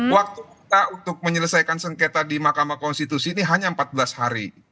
waktu kita untuk menyelesaikan sengketa di mahkamah konstitusi ini hanya empat belas hari